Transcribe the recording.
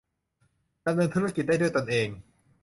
ดำเนินธุรกิจได้ด้วยตนเอง